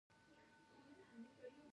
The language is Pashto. زه د زړو اسنادو مطالعې سره علاقه لرم.